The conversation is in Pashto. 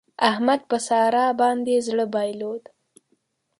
احمد په سارا باندې زړه بايلود.